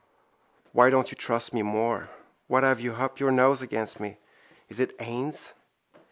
Why don't you trust me more? What have you up your nose against me? Is it Haines?